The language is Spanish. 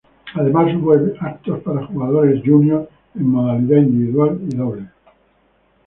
Además hubo eventos para jugadores júnior en modalidad individual y dobles.